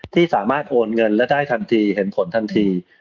ที่สามารถโอนเงินและได้ทันทีเห็นผลทันที